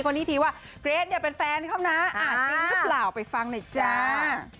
คนอื่นทีว่าเกรสเนี่ยเป็นแฟนเขานะอ่าอาร์ดรินรึเปล่าไปฟังหน่อยจ้า